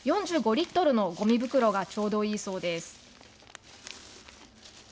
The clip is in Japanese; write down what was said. ４５リットルのゴミ袋がちょうどいいそうです。